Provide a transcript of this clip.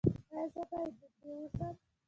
ایا زه باید نږدې اوسم؟